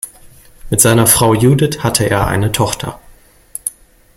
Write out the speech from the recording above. Mit seiner Frau Judith hatte er eine Tochter.